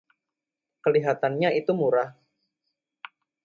Kelihatannya itu murah.